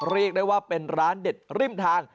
เรียกได้ว่าเป็นร้านเด็ดริมทาง